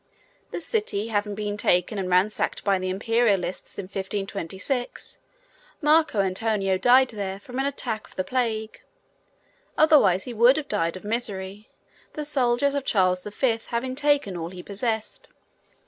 The city having been taken and ransacked by the Imperialists in 1526, Marco Antonio died there from an attack of the plague; otherwise he would have died of misery, the soldiers of Charles V. having taken all he possessed.